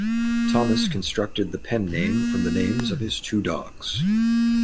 Thomas constructed the pen name from the names of his two dogs.